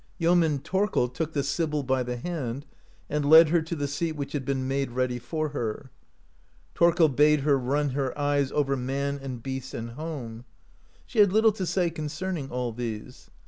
Yeoman Thorkel took the sibyl by the hand, and led her to the seat which had been made ready for her. Thorkel bade her run her eyes over man and beast and home. She had little to say concerning all these.